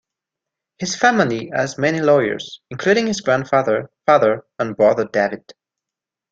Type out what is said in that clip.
His family has many lawyers, including his grandfather, father and brother David.